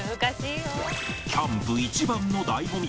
キャンプ一番の醍醐味